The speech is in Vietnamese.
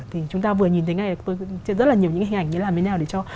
thì chúng ta vừa nhìn thấy rất là nhiều hình ảnh như thế nào để cho